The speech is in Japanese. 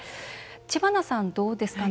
知花さん、どうですか。